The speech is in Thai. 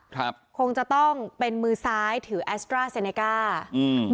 ครับคงจะต้องเป็นมือซ้ายถือแอสตราเซเนก้าอืม